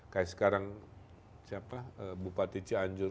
kayak sekarang siapa bupati cianjur